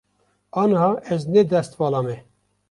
Aniha ez ne destvala me.